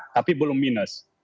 tapi belum minus